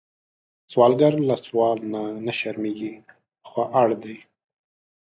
سوالګر له سوال نه شرمېږي، خو اړ دی